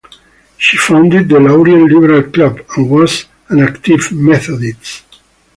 She founded the "Laurier Liberal Club", and was an active Methodist.